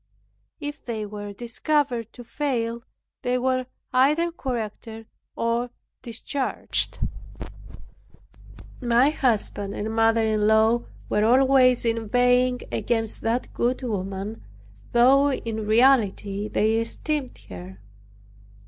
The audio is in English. If they were discovered to fail, they were either corrected or discharged. My husband and mother in law were always inveighing against that good woman, though in reality they esteemed her.